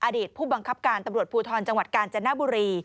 อดีตผู้บังคับการตำรวจภูทรจังหวัดกาญจนบุรี